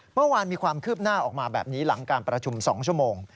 เมื่อวานมีความคืบหน้าออกมาแบบนี้หลังการประชุม๒ชั่วโมง